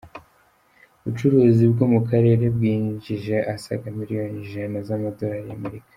Ubucuruzi bwo mu karere bwinjije asaga miliyoni ijana z’Amadorari y’Amerika